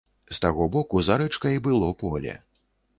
З таго боку за рэчкай было поле.